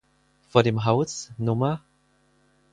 Vor dem Haus Nr.